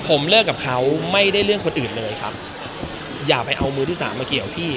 ผมเลิกกับเขาไม่ได้เรื่องคนอื่นเลยครับอย่าไปเอามือที่สามมาเกี่ยวพี่